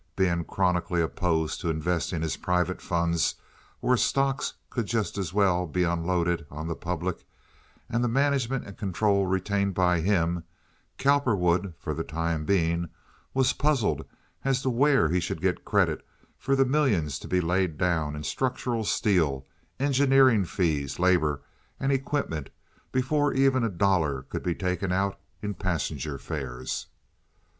Being chronically opposed to investing his private funds where stocks could just as well be unloaded on the public, and the management and control retained by him, Cowperwood, for the time being, was puzzled as to where he should get credit for the millions to be laid down in structural steel, engineering fees, labor, and equipment before ever a dollar could be taken out in passenger fares.